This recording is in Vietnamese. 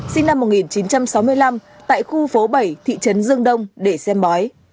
sinh năm một nghìn chín trăm sáu mươi năm tại khu phố bảy thị trấn dương đông để xem bói